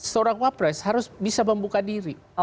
seorang wapres harus bisa membuka diri